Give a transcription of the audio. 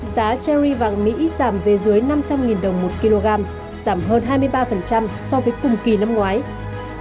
giá cherry vàng mỹ giảm về dưới năm trăm linh đồng một kg giảm hơn hai mươi ba so với cùng kỳ năm ngoái